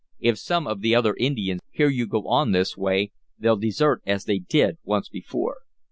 "If some of the other Indians hear you go on this way they'll desert as they did once before."